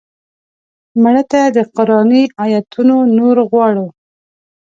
مړه ته د قرآني آیتونو نور غواړو